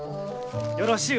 よろしゅう